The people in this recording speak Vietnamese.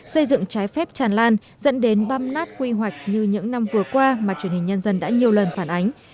xây dựng trái phép tràn lan dẫn đến băm nát quy hoạch như những năm vừa qua mà truyền hình nhân dân đã nhiều lần phản ánh